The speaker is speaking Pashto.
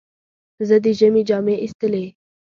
زه د ژمي جامې ایستلې.